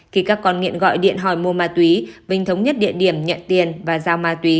khi các con nghiện gọi điện hỏi mua ma túy vinh thống nhất địa điểm nhận tiền và giao ma túy